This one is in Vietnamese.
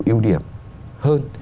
ưu điểm hơn